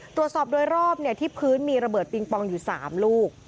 ตรวจสอบโดยรอบที่พื้นมีระเบิดปิงปองอยู่๓ลูก